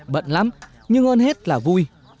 bận lắm nhưng hơn hết là vui